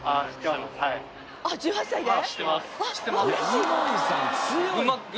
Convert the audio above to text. １８歳で？